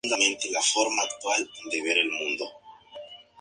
El macho adulto es muy fácil de identificar.